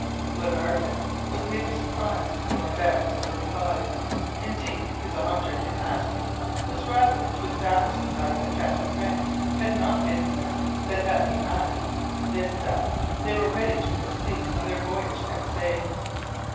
Glenarvan was neither surprised nor vexed at the reply; indeed, his object in asking was rather to establish the fact that Captain Grant had not been there than that he had. This done, they were ready to proceed on their voyage next day.